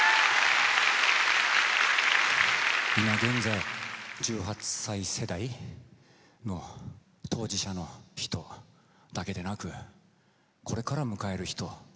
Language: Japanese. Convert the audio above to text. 今現在１８歳世代の当事者の人だけでなくこれから迎える人